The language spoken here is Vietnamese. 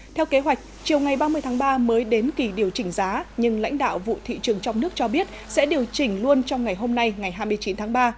theo kế hoạch chiều ngày ba mươi tháng ba mới đến kỳ điều chỉnh giá nhưng lãnh đạo vụ thị trường trong nước cho biết sẽ điều chỉnh luôn trong ngày hôm nay ngày hai mươi chín tháng ba